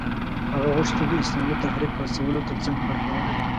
هغه غوښتل د اسلامي تحریک پاڅولو ترڅنګ برخه ولري.